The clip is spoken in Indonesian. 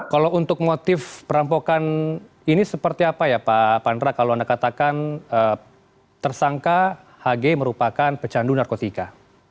kalau untuk motif perampokan ini seperti apa ya pak pandra kalau anda katakan tersangka hg merupakan pecandu narkotika